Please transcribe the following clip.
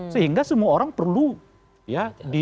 sehingga semua orang perlu ya di